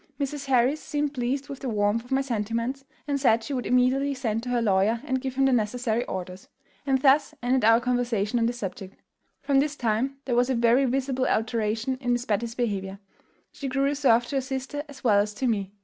"Mrs. Harris seemed pleased with the warmth of my sentiments, and said she would immediately send to her lawyer and give him the necessary orders; and thus ended our conversation on this subject. "From this time there was a very visible alteration in Miss Betty's behaviour. She grew reserved to her sister as well as to me.